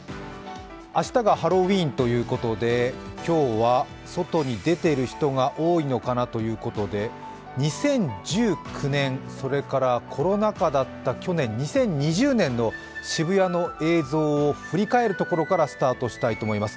明日がハロウィーンということで、今日は外に出ている人が多いのかなということで２０１９年、コロナ禍だった去年２０２０年の渋谷の映像を振り返るところからスタートしたいと思います。